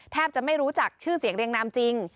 แทบจะไม่รู้จักชื่อเสียงเรียงนามจริง